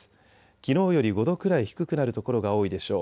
きのうより５度くらい低くなる所が多いでしょう。